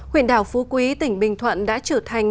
huyện đảo phú quý tỉnh bình thuận đã trở thành